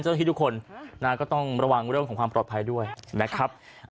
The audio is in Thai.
ที่ทุกคนก็ต้องระวังเรื่องของความปลอดภัยด้วยนะครับ